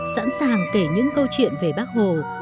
sẵn sàng kể những câu chuyện về bác hồ